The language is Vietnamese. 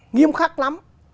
nghiêm khắc lắm